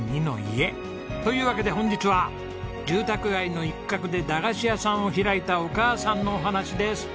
というわけで本日は住宅街の一角で駄菓子屋さんを開いたお母さんのお話です。